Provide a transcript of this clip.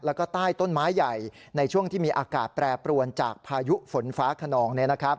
แล้วก็ใต้ต้นไม้ใหญ่ในช่วงที่มีอากาศแปรปรวนจากพายุฝนฟ้าขนอง